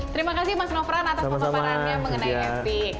terima kasih mas nopran atas pembaharannya mengenai epic